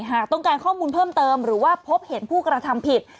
หากต้องการข้อมูลเพิ่มเติมหรือว่าพบเห็นผู้กระทำผิด